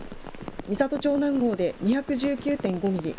美郷町南郷で２１９．５ミリ